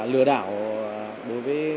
lừa đảo đối với